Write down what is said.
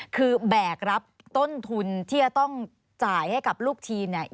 คือแบกรับต้นทุนที่จะต้องจ่ายให้กับลูกทีมเนี่ย